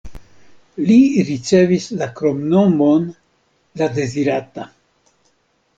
Li ricevis la kromnomon "la dezirata".